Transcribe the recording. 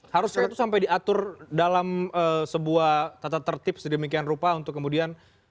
harusnya itu sampai diatur dalam sebuah tata tertib sedemikian rupa untuk kemudian